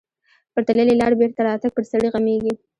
پر تللې لارې بېرته راتګ پر سړي غمیږي.